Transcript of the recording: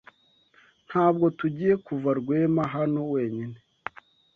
Ntabwo tugiye kuva Rwema hano wenyine.